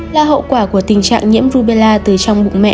là hậu quả của tình trạng nhiễm rubella từ trong bụng mẹ